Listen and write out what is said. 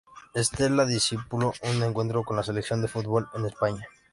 Estella disputó un encuentro con la selección de fútbol de España.